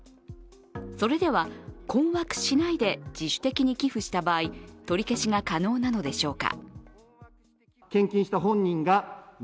それでは、困惑しないで自主的に寄付した場合取り消しが可能なのでしょうか。